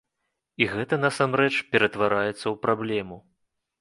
І гэта насамрэч ператвараецца ў праблему.